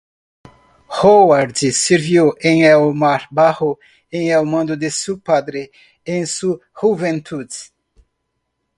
Howard sirvió en el mar bajo el mando de su padre en su juventud.